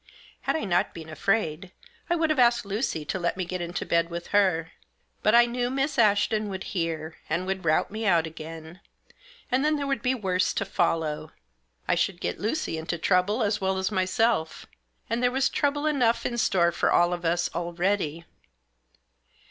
Had I not been afraid, I would have asked Lucy to let me get into bed with her. But I knew Miss Ashton would hear, and would rout me out again, and then Digitized by THE DOLL. 25 there would be worse to follow. I should get Lucy into trouble as well as myself. And there was trouble enough in store for all of us already.